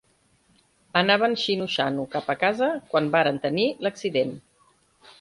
Anaven xino-xano cap a casa quan varen tenir l'accident.